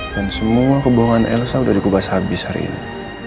dan semua kebohongan elsa udah dikubas habis hari ini